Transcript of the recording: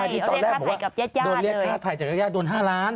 ตอนแรกบอกว่าโดนเรียกคาไถ้จากแยกย่านโดน๕ล้าน